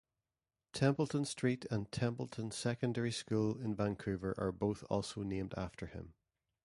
Templeton Street and Templeton Secondary School in Vancouver are both also named after him.